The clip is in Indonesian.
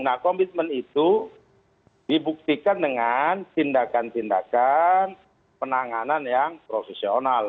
nah komitmen itu dibuktikan dengan tindakan tindakan penanganan yang profesional